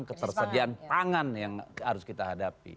ketersediaan pangan yang harus kita hadapi